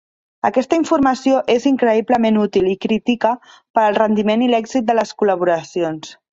Aquesta informació és increïblement útil i crítica per al rendiment i l'èxit de les col·laboracions.